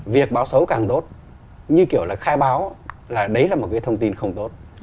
việc báo xấu càng tốt như kiểu là khai báo là đấy là một cái thông tin không tốt